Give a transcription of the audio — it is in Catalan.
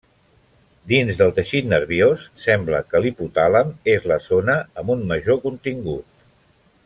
Dins del teixit nerviós sembla que l'hipotàlem és la zona amb un major contingut.